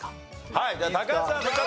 はいじゃあ高橋さん復活！